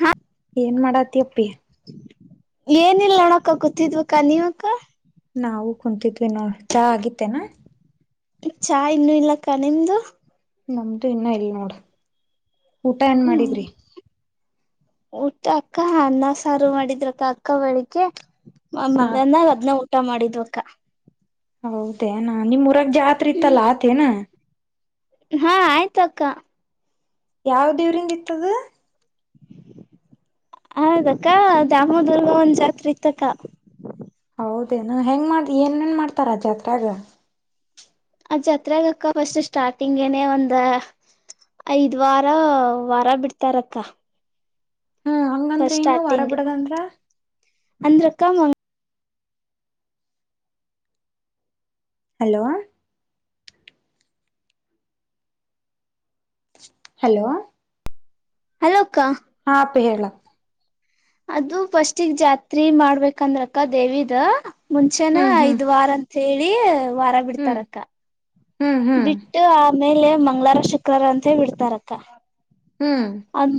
ಹಾ ಏನ್ ಮಾಡಾತಿ ಅಪ್ಪಿ ಏನಿಲ್ಲ ಅಣಕ ಕೂತಿದ್ವಕ್ಕ ನೀವಕ್ಕ ನಾವು ಕುಂತಿದ್ವಿ ನೋಡ ಚಾ ಆಗಿತ್ತೇನಾ ಚಾ ಇನ್ನುೂ ಇಲ್ಲಕ್ಕ ನಿಮ್ದು ನಮ್ದು ಇನ್ನ ಇಲ್ ನೋಡ ಊಟ ಏನ್ ಹ್ಮ್ ಮಾಡಿದ್ರಿ ಊಟ ಅಕ್ಕ ಅನ್ನ ಸಾರು ಮಾಡಿದ್ರ ಅಕ್ಕ ಅಕ್ಕ ಒಳಗ್ಗೆ ಹಾ ಮಂದನ್ನ ಅದನ ಊಟ ಮಾಡಿದ್ವಕ್ಕ ಹೌದೇನಾ ನಿಮ್ ಉರ ಗ್ ಜಾತ್ರೆ ಇತ್ತಲ್ಲ ಆತೇನಾ ಹಾ ಆಯ್ತ ಅಕ್ಕ ಯಾವ ದೇವ್ರಂದ ಇತ್ತದ ಹದಕ್ಕ ದಾಮೋದುರ್ಗ ಒಂದ ಜಾತ್ರೆ ಇತ್ತಕ್ಕ ಹೌದೇ ನಾ ಹೆಂಗ ಮಾಡ್ದ ಏನ್ೇನ್ ಮಾಡ್ತಾರಜ್ಾತ್ರಾಗ ಆ ಜಾತ್ರೆಗೆ ಅಕ್ಕ ಫಸ್ಟ್ ಸ್ಟಾರ್ಟಿಂಗ್ ನೆ ಒಂದ ಐದ್ ವಾರ ವಾರ ಬಿಡ್ತಾರಕ್ಕ ಹ್ಮ್ ಹಂಗಂದ್ರ ಫಸ್ಟ್ ಏನು ವಾರ ಸ್ಟಾರ್ಟಿಂಗ್ ಬಿಡದಂದ್ರ ಅಂದ್ರಕ್ಕ ಹಲೋ ಹಲೋ ಹಲೋಕ್ಕ ಹಾ ಅಪ್ಪ ಹೇಳಕ್ ಅದು ಪಫಸ್ಟಗ್ ಜಾತ್ರಿ ಮಾಡ್ಬೇಕಂದ್ರಕ್ಕ ದೇವಿದ ಮುಂಚೆನ ಹ್ಮ್ ಹ್ಮ್ ಐದ್ ವಾರ ಅಂತ ಹೇಳಿ ವಾರ ಹ್ಮ್ ಬಿಡ್ತಾರಕ್ಕ ಹ್ಮ್ ಹ್ಮ್ ಬಿಟ್ಟು ಆಮೇಲೆ ಮಂಗ್ವಾರ ಶುಕ್ರವಾರ ಅಂತ ಬಿಡ್ತಾರಕ್ಕ ಹ್ಮ್ ಅದ್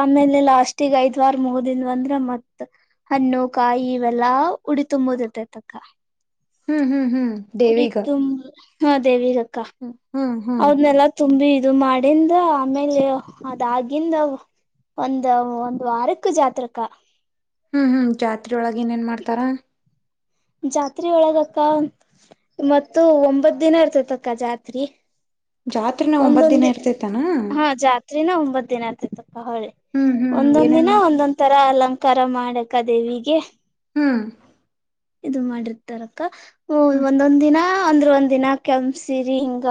ಆಮೇಲೆ ಲಾಸ್ಟಗ ಐದ್ ವಾರ ಮುಗದಿಂದ ಬಂದ್ರ ಮತ್ತ್ ಹಣ್ಣು ಕಾಯಿ ಇವೆಲ್ಲಾ ಉಡಿ ತುಂಬೋದಿರ್ತೆತಕ್ಕ ಹ್ಮ್ ಹ್ಮ್ ಹ್ಮ್ ಉಡಿ ತುಂಬ ಹ ದೇವಿಗ ಹ ಹ್ಮ್ ಹ್ಮ್ ಅವದ್ನೆಲ್ಲಾ ತುಂಬಿ ಇದು ಮಾಡಿಂದ ಆಮೇಲೆ ಅದಾಗಿಿಂದ ಒಂದ ಒಂದು್ ವಾರಕ್ಕ ಜಾತ್ಕ ಹ್ಮ್ ಹ್ಮ್ ಜಾತ್ರೆೊಳಗ ಏನ್ ನ್ ಮಾಡ್ತಾರ ಜಾತ್ರೆ ಒಳದಕ್ಕ ಮತ್ತ ಒಂಬತ್ ದಿನ ಇರ್ತತಕ್ಕ ಜಾತ್ರಿ ಜಾತ್ರೆನ ಒಂಬತ್ ಒಂದೊಂದ ದಿನ ಇರ್ತೇತಾನ ಹಾ ಜಾತ್ ತ್ ಒಂಬತ್ ದಿನ ಆತತಪ್ಪ ಹೊಳಿ ಹ್ಮ್ ಹ್ಮ್ ಒಂದೊಂದ ಏನೇನ್ ದಿನ ಮಾಡ್ತಾರ ಒಂದೊಂದ್ ತರ ಅಲಂ ಕರ ಮಾಡಕ್ಕ ದೇವಿಗೆ ಹ್ಮ್ ಇದು ಮಾಡಿರ್ತಾರಕ್ಕ ಹ್ಮ್ ಒಂದೊಂದ್ ದಿನ ಅಂದ್ರೆ ಒಂದ ದಿನ ಕೆಪಸಿರಿ ಹಿಂಗ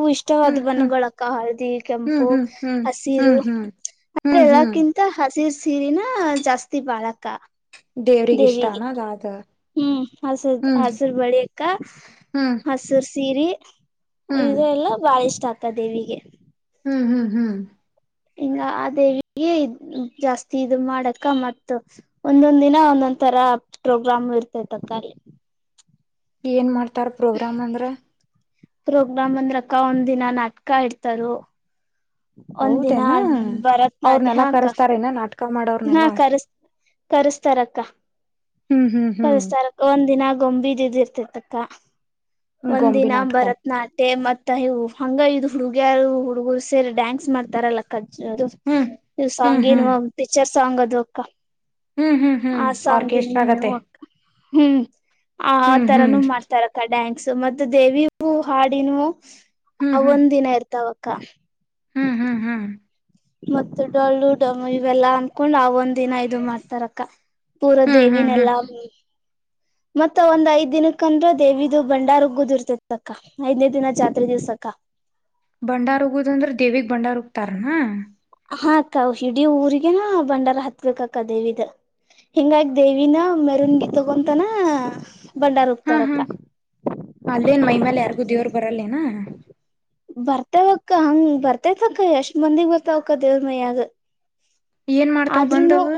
ವು ಹ್ಮ್ ಇಷ್ಟವಾದ ಹ್ಮ್ ಬಣ್ಣಗಳಕ್ಕ ಹಳದಿ ಹ್ಮ್ ಕೆಂಪು ಹ್ಮ್ ಹ್ಮ್ ಹಸಿರು ಹ್ಮ್ ಹ್ಮ್ ಆದ್ರೆ ಹ್ಮ್ ಹ್ಮ್ ಎಲ್ಲಕ್ಕಿಂತ ಹಸಿರ್ ಸೀರನ ಜಾಸ್ತಿ ಬಾಳಕ ದೇವ್ರಗ್ ಇಷ್ಟಾನ ಅದ ಅದು ಹ್ಮ್ ಹಸರ್ ಹಸುರ್ ಬಳಿ ಅಕ್ಕ ಹ್ಮ್ ಹಸುರ್ ಸೀರೆ ಹ್ಮ್ ಇದು ಎಲ್ಲ ಬಾಳ ಇಷ್ಟ ಆಗ್ತ ದೇವಿಗೆ ಹ್ಮ್ ಹ್ಮ್ ಹ್ಮ್ ಹಿಂಗ ಅ ದೇವಿಗೆ ಜಾಸ್ತಿ ಇ ಮಾಡಕ ಮ ಒಂದೊಂದ್ ದಿನ ಒಂದೊಂದ ಒ ತರ ಪ್ರೋಗ್ರಾಮ್ ಇರ್ತೈ ತಕ್ಕಾಲ ಏನ್ ಮಾಡ್ತಾರ ಪ್ರೋಗ್ರಾಮ್ ಅಂದ್ರ ಪ್ರೋಗ್ರಾಾಮ್ ಅಂದ್ರಕ್ಕ ಒಂದ್ ದಿನ ನಾಟಕ ಇಡ್ತಾರ ಹೌದೇನಾ ಭರತನಾಟ್ಯ ಹಾ ಅವ್ರನೆಲ್ಲಾ ಅಕ್ಕ ಕರಸ್ತಾರ ನ ನಾಟಕ ಮಾಡ ಅವ್ರನೆಲ್ಲಾ ಕರೆಸ್ತಾರಕ್ಕ ಹ್ಮ್ ಹ್ಮ್ ಹ್ಮ್ ಕರೆಸ್ತಾರಕ್ಕ ಒಂದ್ ದಿನ ಆಗ್ ಗೊಂಬಿದ್ದ ಇರ್ತಿರ್ತಕ್ಕ ಗೊಂಬಿ ಒಂದಿನ ನಾಟಕ ಭರತನಾಟ್ಯ ಮತ್ ಹಂಗ ಇದು್ ಹುಡುಗ್ಯಾರ ಹುಡುಗರು ಸೇರಿ ಡ್ಯಾನ್ಸ್ ಮಾಡ್ತಾರಲ್ಲ ಕಗ್ ಅದು ಹ್ಮ್ ನೀ ಹ್ಮ್ ಸಾಂಗ್ ಹ್ಮ್ ಏನು ಹ್ಮ್ ಪಿಕ್ಚರ್ ಸಾಂಗ್ ಅದ್ವಕ್ಕ ಹ್ಮ್ ಹ್ಮ್ ಆ ಆರ್ಕೆಸ್ಟ್ರಾ ಸಾಂಗಿನ್ನು ಆಗತ್ತೆ ಹ್ಮ್ ಆ ಹ್ಮ್ ಹ್ಮ್ ತರಾನೂ ಮಾಡ್ತಾರಕ್ಕ ಡ್ಯಾಂಕ್ಸ್ ಮತ್ತೆ ದೇವಿೂ ಹಾಡಿನೂ ಹ್ಮ್ ಹ್ಮ್ ಅವಂದ್ ಹ್ಮ್ ದಿನ ಇರ್ತಾವಕ್ಕ ಹ್ಮ್ ಹ್ಮ್ ಹ್ಮ್ ಮತ್ತ ಡೊಳ್ಳು ಡಮ ಇವೆಲ್ಲಾ ಅನ್ಕೊಂಡ್ ಅವ ಒಂದ್ ದಿನ ಇದು ಮಾಡ್ತಾರಕ್ಕ ಹ್ಮ್ ಪೂರ್ವದೇವಿನ ಹ್ಮ್ ಎಲ್ಲಾ ಮತ್ತ ಒಂದ್ ಐದ್ ದಿನಕ್ಕ ಅಂದ್ರ ದೇವಿದು ಬಂಡಾರಗ್ ಗೂುದು ಇರ್ತತಕ್ಕ ಐದನೇ ದಿನ ಜಾತ್ರೆ ದಿವ್ಸಕ ತರ್ಣ ಹಾಕ್ಕ ಹಡೀ ಊಗನಾ ಬಂಡಾರ ಹತ್ಬೇಕಕ್ಕ ದೇವಿದ ಹಿಂಗಾಗಿ ದೇವಿನ ಮೆರನ್ ಗಿ ತಗೊಂತಾನ ಹಾ ಹಾ ಅಲ್ಲೇನ್ ಮೈಮೇಾಲ ಯಾರಿಗೂ ದೇವರು ಬರಲ್ಲೇನ ಬರ್ತವಕ್ಕ ಹಂಗ ಬರ್ತೆೇತಕ್ಕ ಎಷ್ಟ್ ಮಂದಿಗ್ ಬರ್ತವಕ್ಕ ದೇವ ಮಯ್ಯದ ಏನ್ ಮಾಡ್ತಾವ ಬಂದವು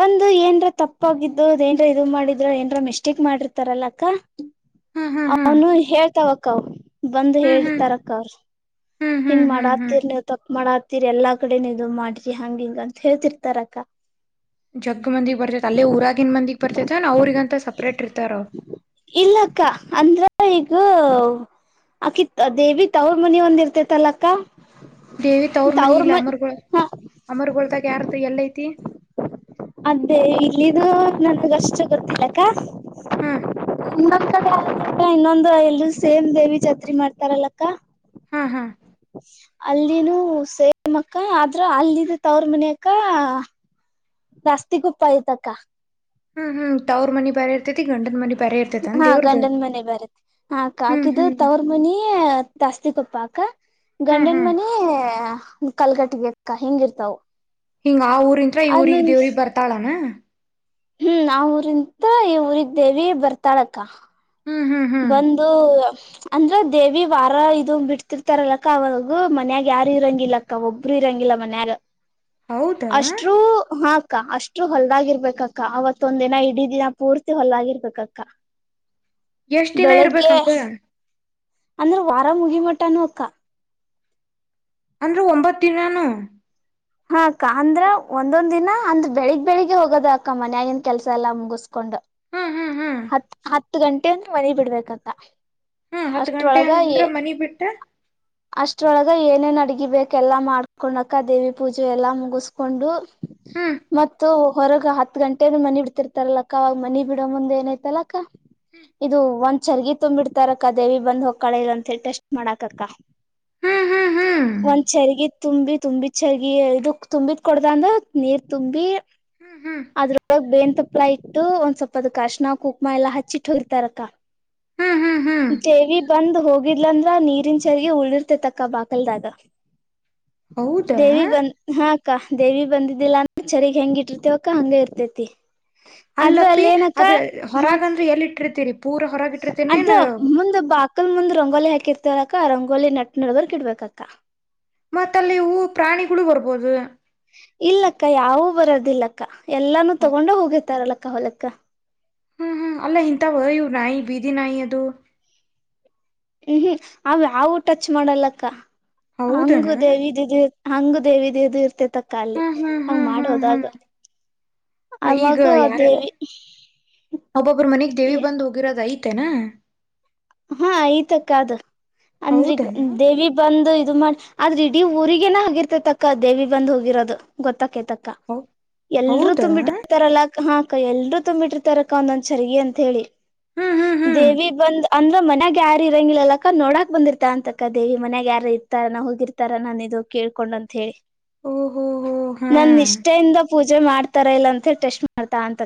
ಬಂದು ಏನ್ರ ತಪ್ಪಾಗಿದ್ದು ಅ ಏನ್ರ ಇದು ಮಾಡಿದ್ರ ಏನ್ರ ಮಿಸ್ಟೇಕ್ ಮಾಡಿರ್ತಾರಲ್ಲ ಅಕ್ಕಾ ಹ್ಮ್ ಹ್ಮ್ ಹ್ಮ್ ಅವನು ಹೇಳ್ತಾವಕ್ಕ ಅವ ಬಂದ್ ಹ್ಮ್ ಹ್ಮ್ ಹೇತಾರಕ ಹ್ಮ್ ಹ್ಮ್ ಹಿಂಗ್ ಹ್ಮ್ ಹ್ಮ್ ಮಾಡತ್ತರ್ಲ ತಕ್ ಮಾಡ ಇರ್ತೀರಿ ಎಲ್ಲಾ ಕಡೆನ ಇದು ಮಾಡ್ರಿ ಹಂಗ ಹಿಂಗ ಅಂತ ಹೇಳ್ತಿರ್ತಾರಕ್ಕ ಜಗ್ಗ ಮಂದಿಗ್ ಬರ್ತೇತೆ ಅಲ್ಲೇ ಊರಾಗಿನ್ ಮಂದಿಗ್ ಬರ್ತೇತೆ ಅವ್ರಗಂತ ಸಪ್ರೇಟ್ ಇರ್ತಾರ ಅವ ಕ್ಕ ಅಂದ್ರ ಹ ಅಕಿ ದೇವಿ ತವ್ರ ಮನಿ ಒಂದ ಇರ್ತೇತಲ್ಲ ಅಕ್ಕ ದೇವಿ ತ ಅವ್ರ ಮನಿ ಇಲ್ಲ ಅಮರ್ಗಳ ಹಾ ಅಮರ್ಗಳದಾಗ ಯಾರ್ದ ಎಲ್ಲ ಐತಿ ಅದೇ ಇಲ್ಲಿದು ನನ್ಗ ಅಷ್ಟು ಗೊತ್ತಿಲ್ಲಕ್ಕ ಹಾ ಇನ್ನೊಂದು ಎಲ್ರು ಸೇಮ್ ದೇವಿ ಜಾತ್ರೆ ಮಾಡ್ತಾರಲ್ಲಕ್ಕ ಹಾ ಹಾ ಅಲ್ಲಿನು ಸೇಮಕ್ಕ ಆದ್ರ ಅಲ್ಲಿದ್ದ ತ ಅವ್ರ ಮನಯಕ್ಕ ನಾಸ್ತಿಗೂ ಪಾಯ ತಕ ಹ್ಮ್ ಹ್ಮ್ ತ ಅವ್ರ ಮಿ ಬರ ಇರ್ತತಿ ಮಾಡಿಯರ್ತದೆ ಹಾ ಗಂಡನ ಮನೆ ಬರತ್ತ ಆ ಹ್ಮ್ ಕಾಕಿದು ಹ್ಮ್ ತವರ್ ಮನಿ ದಾಸ್ತಿಕಪ್ಪ ಅಕ್ಕ ಹ್ಮ್ ಗಂಡನ ಹ್ಮ್ ಮನ ಕಲ್ಗಟ್ಟಗಿ ಅಕ್ಕ ಹಿಂಗಿರ್ತಾವ ಹಿಂಗ ಆ ಊರಿಂತ್ರ ಅದ ಇವಊ್ರ ನನ್ ದೇವ್ರಿಗೆ ಬರ್ತಾಳಾನ ಹ್ಮ್ ನಾವ ಊರಿಂತ ಈ ಊರಿದ್ದೇವಿ ಬರ್ತಾಳಕ್ಕ ಹ್ಮ್ ಹ್ಮ್ ಹ್ಮ್ ಬಂದು ಅಂದ್ರ ದೇವಿ ವಾರ ಇದದು ಬಿಡ್ತಿರ್ತಾರಲಕ್ಕ ಅವಾಗ ಮನ್ಯಾಗ ಯಾರು ಇರಂಗಿಲ್ಲಕ್ಕ ಒಬ್ರು ಇರಂಗ ಗಿಲ್ಲ ಮನ್ಯಾಗ ಹೌದಾ ಅಷ್ಟೂ ಹ ಅಕ್ಕ ಅಷ್ಟು ಹೊಲ್ದಾಗಿರ್ಬೇಕಕ್ಕ ಅವತ್ತೊಂದ್ ದಿನ ಇಡೀ ದಿನ ಪೂರ್ತಿ ಹೊಲ್ದಾಗ್ಗಿರ್ಬೇಕಕ್ಕ ಎಷ್ಟ ದಿನ ಇರ್ಬೇಕಂಗ ಅಂದ್ರ ವಾರ ಮುಗಿ ಮಟಾನ ಅಕ್ಕ ಅಂದ್ರೂ ಒಂಬತ್ತು ದಿನಾನೂ ಹಾ ಅಕ್ಕ ಅಂದ್ರ ಒಂದೊಂದ ದಿನ ಅಂದ್ರ ಬೆಳಿಗ್ ಬೆಳಿಗ್ಗೆ ಹೋಗೋದ ಅಕ್ಕ ಮನ್ಯ ಆಗನ್ ಕೆಲ್ಸ ಎಲ್ಲ ಮುಗಸ್ಕೊಂಡ್ ಹ್ಮ್ ಹ್ಮ್ ಹ್ಮ್ ಹತ್ತು ಗಂಟೆ ಅಂದ್ರ ಮನೆ ಬಿಡ್ಬೇಕಂತ ಹಾ ಹತ್ತ ಗಂಟೆ ಅಂದ್ರ ಮನಿ ಬಿಟ್ಟೆ ಅಷ್ಟ್ರೊಳಗ ಏನೇನ್ ಅಡಗಿ ಬೇಕ್ ಎಲ್ಲಾ ಮಾಡ್ಕೊಂಡಕ್ಕ ದೇವಿ ಪೂಜೆ ಎಲ್ಲಾ ಮುಗಸ್ಕೊಂಡು ಹ್ಮ್ ಮತ್ತ ಹೊರಗ ಹತ್ ಗಂಟೆ ಮನಿ ಬಿಡ್ತಿರ್ತಾರಲ್ಲಕ್ಕ ಅವಾಗ ಮನಿ ಬಿಡೋ ಮುಂದೆ ಏನೈತಲ್ಲ ಇದು ಒ ಚರ್ಗ ತುಂಬಿಡ್ತಾರಕ್ಕ ದೇವಿ ಬಂದ್ ಹೋಗಕ್ಕಳ ಇಲ್ಲ ಅಂತ ಹೇಳಿ ಟೆಸ್ಟ್ ಮಾಡಾಕಕ್ಕ ಹ್ಮ್ ಹ್ಮ್ ಹ್ಮ್ ಒಂದ್ ಚರಿಗೆ ತುಂಬಿ ತುಂಬಿ ಚಾಗಿ ಇ ತುಂಬಿದ ಕೊಡ್ದ ಅಂದ್ರ ನೀರ್ ತುಂಬಿ ಹ್ಮ್ ಹ್ಮ್ ಅದ್ರೊಳಗ್ ಬೇನ್ ತಪ್ಲ ಇಟ್ಟು ಒಂದ್ ಸ್ವಲ್ಪ ಅದ ಅರಿಸಿನ ಹ ಕುಕ್ಮಲ್ಲ ಹಚ್ಚಚ್ಚಿಟ್ರತಾರೆಕ್ಕ ಹ್ಮ ಹ್ಮ ಹ್ಮ್ ದೇವಿ ಬಂದ್ ಹೋಗಿದಲಂದ್ರ ನೀರಿನ್ ಚರಗಿ ಉಳಿರ್ತೆೇತಕ್ಕ ಬಕಲ್ದಾಗ ಹೌದಾ ದೇವಿ ಬಂದ ಹಾ ಅಕ್ಕ ದೇವಿ ಬಂದಿದ್ದಿಲ್ಲ ಅ ಚರಿಗ್ ಹೆಂಗ ಇಟ್ಟಿರ್ತೆವಕ್ಕ ಹಂಗ ಇರ್ತೇತಿ ಆದ್ರ ಅಲ್ಲಪ್ಪಿ ಅಲ್ ಏನಕ್ಕ ಅದ ಹಾ ಹೊರಗಂದ್ರೆ ಎಲ್ಲಿ ಇಟ್ಟಿರ್ತೀರಿ ಪೂರ ಹೊರಗ ಅದ ಇಟ್ಟಿರ್ತೇನೇನ್ ಮುಂದ ಬಾಗಿಲ್ ಮುಂದ್ ರಂಗೋಲಿ ಹಾಕಿರ್ತವ ಅಕ್ಕ ರಂಗೋಲಿ ನೆಟ್ ನಡಬರಾಕ್ ಇಡ್ಬೇಕಕ್ಕ ಮತ್ತಲ್ಲಿ ಹೂ ಪ್ರಾಣಿಗಳು ಬರ್ಬೋದು ಇಲ್ಲಕ್ಕ ಯಾವೂ ಬರದಿಲ್ಲಕ್ಕ ಎಲ್ಲಾನೂ ತಗೊಂಡ ಹೋಗರ್ತಾರಲಕ್ಕ ಹೊಲಕ್ಕ ಹ್ಮ್ ಹ್ಮ್ ಅಲ್ಲ ಇಂತ ಇವ್ ನಾಯಿ ಬೀದಿ ನಾಯಿ ಅದು ಹ್ಮ್ ಹ್ಮ್ ಅವ ಅವವು ಟಚ್ ಮಾಡಲ್ಲಕ್ಕ ಹೌದನ ಹಂಗ ದೇವಿ ಇದ ಹಂಗ ದೇವಿ ದೇವ್ದ ಇರ್ತೆತಿ ಹ್ಮ ಹಾಹಾ ಹಾ ಹಾ ಈಗ ಅವಾಗ ಯಾರ ದೇವಿ ಒಬ್ಬೊಬ್ಬರು ಮನೆಗ್ ದೇವಿ ಬಂದ್ ಹೋಗಿರೋದ ಐಯ್ತ ನಾ ಹಾ ಈತಕ್ಕದು ಅಂದ್ರಗ ಹೌದನ ದೇವಿ ಬಂದು ದು ಮಾಡಿ ಆದ್ರ ಇಡೀ ಊರಿಗೇನ ಆಗಿರ್ತೈತಕ್ಕ ದೇವಿ ಬಂದ್ ಹೋಗಿರೋದು ಗೊತ್ತ ತಕತಕ್ಕ ಹೌ ಎಲ್ರು ಹೌದಾ ತುಂಬಿಟ್ಟರ್ತಾರಲ್ಲ ಹಾಕ್ಕ ಎಲ್ರುೂ ತುಂಬಿಟ್ಟಿರ್ತಾರಕ್ಕ ಒಂದೊಂದ್ ಚರ್ಗಿ ಅಂತ ಹೇಳಿ ಹ್ಮ್ ಹ್ಮ್ ಹ್ಮ್ ದೇವಿ ಬಂದ ಅಂದ್ರ ಮನ್ಗ ಯಾರ ಇರಂಗಿಲ್ಲಲ್ಲಕ್ಕ ನೋಡಾಕ್ ಬಂದಿರ್ತಾ ಅಂತಕ್ಕ ದೇವಿ ಮನ್ಯಾಗ ಯಾರ ಇರ್ತಾನ ಹೋಗಿರ್ತಾರಾನ ಅ ಇದು ಕೇಳ್ಕೊಂಡಂತ ಹೇಳಿ ಓಹೋ ಹೋ ಹಾ ನನ್ ನಿಷ್ಠೆಯಿಂದ ಪೂಜೆ ಮಾಡ್ತಾರ ಇಲ್ಲ ಅಂತ ಹೇಳಿ ಟೆಸ್ಟ್ ಮಾಡ್ತಾ ಅಂತ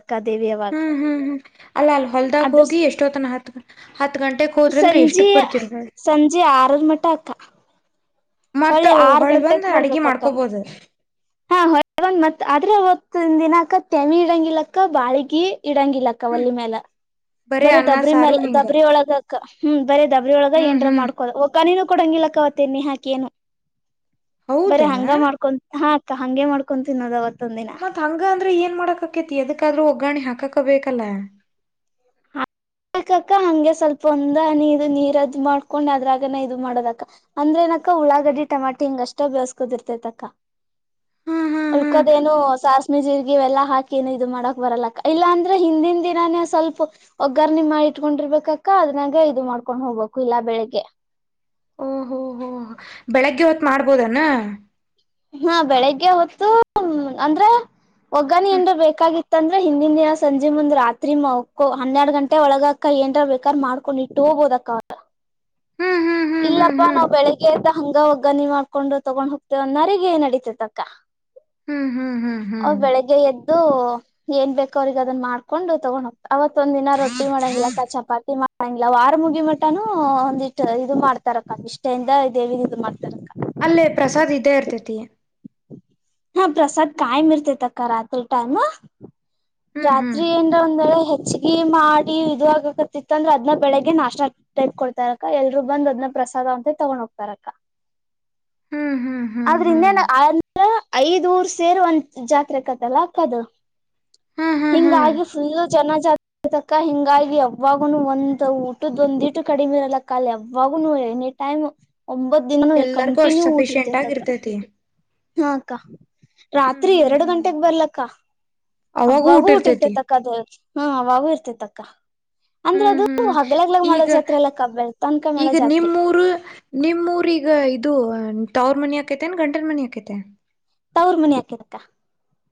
ಹ್ಮ್ ಹ್ಮ್ ಹ್ಮ್ ಅಲ್ಲ ಅಲ್ ಹೊಲ್ದಾಗ ಅದ್ರ ಹೋಗಿ ಎಷ್ಟೋತ್ತನ ಹತ್ ಹ ಹತ್ ಗಂಟೆಗೆ ಹೋದ್ರ ಸಂಜೆ ಎಷ್ಟ್ಕ್ ಬರ್ತಿರ ಮೇ ಸಂಜೆ ಆರರ ಮಟ್ಟ ಅಕ್ಕ ಮತ್ತ ಒಳ್ಳಿ ಆರ್ ಹೊಳ್ ಬಂದ್ ಗಂಟೆಗೆ ಅಡ್ಗಿ ಬರ್ಬೇಕಕ್ಕಮ್ಮ ಮಾಡ್ಕೋಬೋದು ದ ಮತ್ ಅದ್ರ ಅವತ್ತ ದಿನಾಕ ತೆಮಿ ಇಡಂಗಲಕ್ಕ ಬಾಳಗಿ ಇಡಂಗಿಲ್ಲಕ್ಕ ಹ್ಮ್ ಒಲ್ಲಿ ಮೇಾಲ ಬರೇ ಬರ ಅನ್ನ ದಬ್ರಿ ಸಾರು ಮೇಾಲ ಹಿಂಗ ದಬ್ರಿ ಒಳಗಕ್ಕ ಹ ಬೇರೆ ದಬರಳಗ ಹ್ಮ್ ಏನಾರ ಹ್ಮ್ ಮಾಡ್ಕೋದ ಕನಿನನು ಕೊಡಂಗಿಲ್ಲಕ್ಕ ಅವತ್ತ ಎಣ್ಣಿ ಹಾಕಿ ಬರ ಹೌದಾ ಹಂಗ ಮಾಡ್ಕೊ ಹಾ ಅಕ್ಕ ಹಗೆ ಮಾಡ್ಕೊ ತಿನ್ನೋದವತ್ತು ಮತ್ ಹಂಗ ಅಂದ್ರೆ ಏನ್ ಮಾಡಕ ಆಕೇತಿ ಎದಕ್ಕಾದ್ರೂ ಒಗ್ಗರಣೆ ಹಾಕಕ್ಕೆ ಕಬೇಕ ಕಲ್ಲ ಹಕ್ಕ ಹಂಗೆ ಸ್ವಲ್ಪ ಒಂದ ನೀ ಇದು ನೀರದ್ ಮಾಡ್ಕೊಂಡ್ ಅದ್ರಾಗನ ಇದು ಮಾಡೋದಕ್ಕ ಅಂದ್ರೆ ನಕ್ಕ ಉಳ್ಳಾಗಡ್ಡಿ ಟಮಾಟೆ ಹಿಂಗ ಅಷ್ಟ ಬೇಯಿಸ್ಕೋದ ಇರತೈತಕ್ಕ. ಹ್ಮ್ ಹ್ಮ್ ಹ್ಮ್ ಉಲ್ಕಾಡೆನು ಶಾಸ್ಮಿ ಜೀರಿಗೆ ಇವೇಲ್ಲ ಹಾಕಿನೇ ಇದು ಮಾಡಕ್ ಬರಲ್ಲ ಇಲ್ಲಾಂದ್ರೆ ಹಿಂದಿನ ದಿನಾನೇ ಸ್ವಲ್ಪ ವಗ್ಗರಣೆ ವಗ್ಗರಣಿ ಮಾಡಿಟ್ಕೊಂಡಿರ್ಬೇಕಕ್ಕ ಅದನಾಗ ಇದು ಮಾಡ್ಕೊಂಡ್ ಹೋಗ್ಬೇಕು ಇಲ್ಲ ಬೆಳಿಗ್ಗೆ. ಓಹೋ ಹೋ ಬೆಳಗ್ಗೆ ಹೊತ್ ಮಾಡ್ಬೋದನ್ನ ಹಾ ಬೆಳಿಗ್ಗೆ ಹೊತ್ತು ಅಂದ್ರೆ ವಗ್ಗರಣಿ ಏನರ ಬೇಕಾಗಿತ್ತ ಅಂದ್ರೆ ಹಿಂದಿನ ದಿನ ಸಂಜೆ ಮುಂದ್ ರಾತ್ರಿ ಮಕ್ಕೊ ಹನ್ನೆರಡು ಗಂಟೆ ಒಳಗ ಅಕ್ಕಾ ಏನ್ರ ಬೇಕಾರ ಮಾಡ್ಕೊಂಡ ಇಟ್ಟು ಹೋಗಬೋದ ಅಕ್ಕಾ ಅದ. [unintelligible] ಹ್ಮ್ ಹ್ಮ್ ಹ್ಮ್ ಇಲ್ಲಪ್ಪಾ ಹ್ಮ್ ನಾವು ಬೆಳಿಗ್ಗೆಯಿಂದ ಹಂಗ ವಗ್ಗರಣಿ ಮಾಡ್ಕೊಂಡು ತಗೊಂಡ್ ಹೋಗ್ತೇವ ಅಣ್ಣಾವ್ರಿಗೆ. [inaudible] ನಡೀತೆತಕ್ಕ. ಹ್ಮ್ ಹ್ಮ್ ಹ್ಮ್ ಹ್ಮ್ ಎದ್ದು [unintelligible] ಏನ್ ಬೇಕಅವ್ರಿಗೆ ಅದನ್ ಮಾಡ್ಕೊಂಡು ತೊಗೊಂಡ್ ಹೋಗ್ತ ಅವತ್ ಒಂದ ದಿನ ರೊಟ್ಟಿ ಮಾಡಂಗಿಲ್ಲ ಅಕ್ಕಾ ಚಪಾತಿ ಮಾಡಂಗಿಲ್ಲ ವಾರ ಮುಗಿಮಟಾನು ಒಂದ ಇಟ್ಟ ಇದನ್ನ ಮಾಡ್ತಾರಕ್ಕಂದ ಇಷ್ಟ ಇಂದ ದೇವಿದ ಅದು ಮಾಡ್ತಾರಕ್ಕ. ಅಲ್ಲೇ ಪ್ರಸಾದ್ ಇದ್ದೇ ಇರ್ತೇತಿ ಹಾ ಪ್ರಸಾದ ಕಾಯ ಮಿರ್ತೈತಕ್ಕ ರಾತ್ರಿಟೈಮ್. ಹ್ಮ್ ಹ್ಮ್ ರಾತ್ರಿ ಏನ್ರ ಒಂದ್ರೆ ವೇಳೆ ಹೆಚ್ಚಗಿ ಮಾಡಿ ಇದು ಆಗಕತಿತ್ತ ಅಂದ್ರೆ ಅದ್ ಬೆಳಗ್ಗೆ ನಾಸ್ಟಾ ಟೈಪ್ ಕೊಡ್ತಾರಕ್ಕ ಎಲ್ರು ಬಂದ ಅದ್ನ ಪ್ರಸಾದ - ಅಂತ ತಗೊಂಡ್ ಹೋಗ್ತಾರಕ್ಕಾ. ಹ್ಮ್ ಹ್ಮ್ ಹ್ಮ್ ಹ್ಮ್ ಆಂಧ್ರ ಐದ್ ಊರ್ ಸೇರಿ ಒಂದ ಜಾತ್ರೆಕತ್ತಲ್ಲ ಅಕ್ಕ ಅದು ಹ್ಮ್ ಹ್ಮ್ ಹಿಂಗಾಗಿ ಫುಲ್ಲು ಜನ ಜಾತ್ರಿ ತಕ್ಕ ಹಿಂಗಾಗಿ ಯಾವಾಗುನು ಒಂದ ಊಟದ ಒಂದಿಟ್ಟು ಕಡಿಮೆ ಇರಲ್ಲ ಅಕ್ಕ ಅಲ್ಲಿ ಯಾವಾಗುನು ಎನಿ ಟೈಮ್ ಒಂಬತ್ ದಿನ ಎಲ್ಲಾರ್ಗೂ ಅಷ್ಟ್ ಕಂಟಿನ್ಯೂ ಊಟ ಸಫಿಶಿಯಂಟ್ ಇರತೈತಿ ಆಗಿ ಅಕ್ಕ. ಇರ್ತೈತಿ ಹಾ ಆಕ್ಕ ಹ್ಮ್ ರಾತ್ರಿ ಹ್ಮ್ ಎರಡು ಹ್ಮ್ ಗಂಟೆಗೆ ಬರ್ಲಕ್ಕ. ಅವಾಗೂ ಅವಗು ಊಟ್ಟಿ ಊಟಿರ್ತೇತಿ ಇರ್ತೆತಕ್ಕದು ಹೂ ಅವಾಗೂ ಇರ್ತೆತಕ್ಕ ಹ್ಮ್ ಹ್ಮ್ ಮಾಡೋ ಈಗ ಜಾತ್ರೆ ಅಲ್ಲಕ್ಕ ಬೆಳ್ತನ್ಕ ಮಾಡೋ ಈಗ ಜಾತ್ರೆ ನಿಮ್ಮೂರು ನಿಮ್ಮೂರು. ಅವ್ರ ಈಗ ಇದು ತಾವ್ರಮನಿ ಆಕೈತೆ ಏನ್ ಗಂಡನ ಮನಿ ಆಕೈತೆ. ತಾವ್ರಮನಿ ಅಕ್ಕೆತ್ ಅಕ್ಕಾ.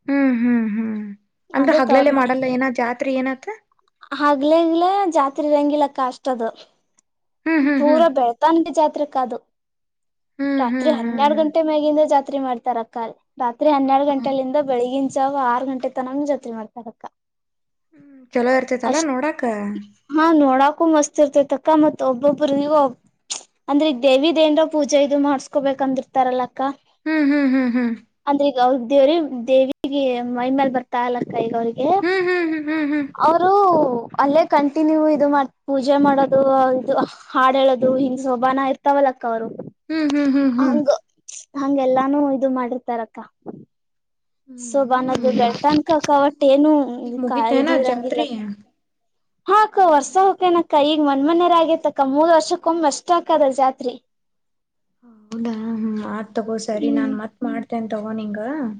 ಹ್ಮ್ ಹ್ಮ್ ಹ್ಮ್ ಅಂದ್ರೆ ಹಗಲಲ್ಲೇ ಮಾಡಲ್ಲ ಏನ ಜಾತ್ರೆ ಎನಾತ್ ಹಗ್ಲೆ ಅಲ್ಲೇ ಜಾತ್ರಿ ಇರಂಗಿಲ್ಲ ಅಕ್ಕ ಅಷ್ಟ ಅದು ಹ್ಮ್ ಹ್ಮ್ ಪೂರ ಬೆಳ್ತಾನ ಜಾತ್ರೆ ಅಕ್ಕ ಅದು. ಹ್ಮ್ ರಾತ್ರಿ ಹ್ಮ್ ಹ್ಮ್ ಹನ್ನೆರಡ ಹ್ಮ್ ಹ್ಮ್ ಗಂಟೆ ಮ್ಯಾಗಿಂದ ಜಾತ್ರೆ ಮಾಡ್ತಾರ ಅಕ್ಕಾ ಅದ ರಾತ್ರಿ ಹನ್ನೆರಡ ಹ್ಮ್ ಗಂಟಲಿಂದ ಬೆಳಿಗಿನ. ಜಾವ ಆರು ಗಂಟೆ ತನಾನು ಜಾತ್ರೆ ಮಾಡ್ತಾರ ಅಕ್ಕ. ಚಲೋ ಇರ್ತೇತಲ್ಲಾ ಅಷ್ಟ ನೋಡಾಕ ಹಾ ನೋಡಾಕೂ ಮಸ್ತ್ ಇರ್ತೈತ ಅಕ್ಕ ಅಕ್ಕ ಮತ್ ಒಬ್ಬೊಬ್ಬ್ರಗ ಅಂದ್ರೆ ದೇವಿ ಏನರ ಪೂಜೆ ಇದು ಮಾಡ್ಸ್ಕೊಬೇಕಂದಿರ್ತಾರಲ್ಲ. ಹ್ಮ್ ಹ್ಮ್ ಹ್ಮ್ ಹ್ಮ್ ಅವ್ರದ ದೇವ್ರೀ ದೇವಿಗೆ ಮೈ ಮೇಲ್ ಬರ್ತಾಲಲ್ಲ ಅಕ್ಕ ಕೈಗ ಅವರಿಗೆ ಹ್ಮ್ ಹ್ಮ್ ಹ್ಮ್ ಹ್ಮ್ ಹ್ಮ್ ಅವರು ಅಲ್ಲೇ ಕಂಟಿನ್ಯೂ ಇದು ಪೂಜೆ ಮಾಡೋದು ಇದು ಹಾಡ್ ಹೇಳೋದು ಹಿಂಗ್ ಸೋಬಾನ ಇರ್ತವ ಅಕ್ಕಾ ಅವರು ಹ್ಮ್ ಹ್ಮ್ ಹ್ಮ್ ಹ್ಮ್ ಹಂಗೆ ಎಲ್ಲಾನು ಇದು ಮಾಡಿರ್ತಾರ ಅಕ್ಕ ಸೊಬಾನದು ಹ್ಮ್ ಬೆಳ್ತನ್ಕಕನಾ ಅಕ್ಕಾ ವಟ್ ಏನು ಈಗ ಮುಗಿತೇನ ಇದ ಇರಂಗಿಲ್ಲ ಜಾತ್ರಿ [unintelligible] ಹಾ ಅಕ್ಕಾ ವರ್ಷಾ ಹೊಕ್ಕೆನಕ್ಕ ಈಗ ಮನ್ ಮನ್ರ್ ಆಗೇತಕ್ಕ ಮೂರ್ ವರ್ಷಕ್ಕ ಒಮ್ಮೆ ಅಷ್ಟ ಅಕ್ಕ ಅದ ಜಾತ್ರಿ ಹೌದಾ ಹ್ಮ್ ಆತ್ ತಗೋ ಸರಿ ಹ್ಮ್ ನಾನ್ ಮತ್ತ್ ಮಾಡ್ತೇನೆ ತೊಗೊ ನಿಂಗ ಹ್ಮ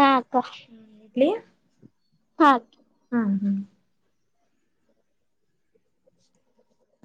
ಹಾ ಅಕ್ಕ ಇಡ್ಲಿ. ಹಾ ಅಕ್ಕಾ. ಹ್ಮ ಹ್ಮ್